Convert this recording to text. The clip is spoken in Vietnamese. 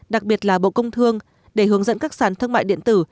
đặc biệt là bộ công thương để hướng dẫn các sàn thương mại điện tử